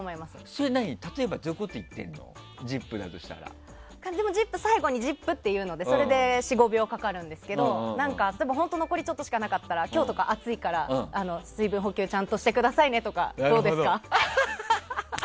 それ例えばどういうこと言ってるのでも「ＺＩＰ！」は最後に「ＺＩＰ！」って言うのでそれで４５秒かかるんですけど本当に残りちょっとしかなかったら今日とか、暑いから、水分補給ちゃんとしてくださいとかどうですか？